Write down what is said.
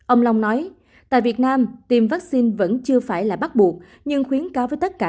ông long nói tại việt nam tiêm vaccine vẫn chưa phải là bắt buộc nhưng khuyến cáo với tất cả